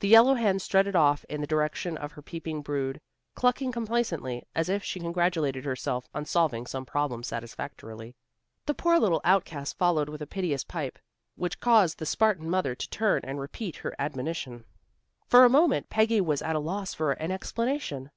The yellow hen strutted off in the direction of her peeping brood, clucking complacently, as if she congratulated herself on solving some problem satisfactorily. The poor little outcast followed with a piteous pipe, which caused the Spartan mother to turn and repeat her admonition. For a moment Peggy was at a loss for an explanation.